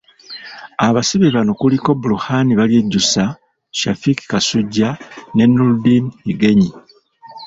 Abasibe bano kuliko Bruhan Balyejjusa, Shafik Kasujja ne Noordin Higenyi.